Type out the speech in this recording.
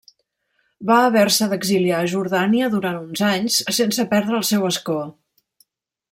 Va haver-se d'exiliar a Jordània durant uns anys sense perdre el seu escó.